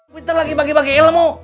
peter lagi bagi bagi ilmu